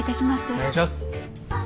お願いします。